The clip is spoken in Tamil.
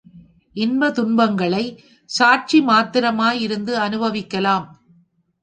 இன்ப துன்பங்களைச் சாட்சி மாத்திரமாய் இருந்து அநுபவிக்கலாம்.